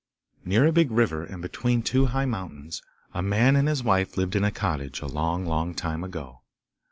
Near a big river, and between two high mountains, a man and his wife lived in a cottage a long, long time ago.